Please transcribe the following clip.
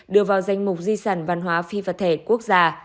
đưa vào danh mục di sản văn hóa phi vật thể quốc gia